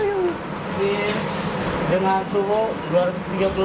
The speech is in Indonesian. ini dengan suhu